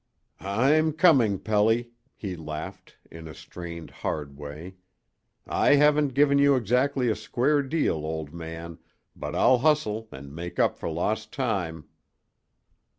"I'm coming, Pelly," he laughed, in a strained, hard way. "I haven't given you exactly a square deal, old man, but I'll hustle and make up for lost time!"